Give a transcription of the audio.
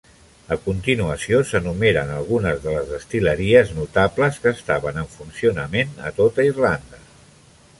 A continuació s"enumeren algunes de les destil·leries notables que estaven en funcionament a tota Irlanda.